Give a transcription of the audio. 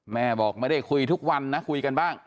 แม่บอกไม่ได้คุยทุกวันนะคุยกันบ้าง